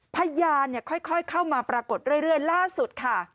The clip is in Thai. พยานค่อยเข้ามาปรากฏเรื่อยล่าสุดค่ะ